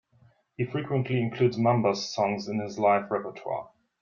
He frequently includes Mambas songs in his live repertoire.